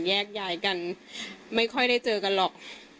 แยกย้ายกันไม่ค่อยได้เจอกันหรอก